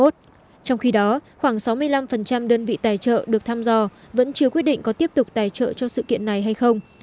trong khi đó khoảng sáu mươi năm đơn vị tài trợ được thăm dò vẫn chưa quyết định có tiếp tục tài trợ cho sự kiện này hay không